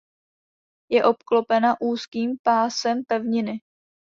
Je obklopena úzkým pásem pevniny.